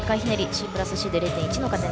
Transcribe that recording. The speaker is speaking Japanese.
ＣプラスＣで０．１の加点。